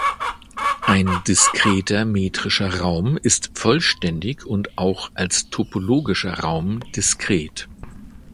Ein diskreter metrischer Raum ist vollständig und auch als topologischer Raum diskret.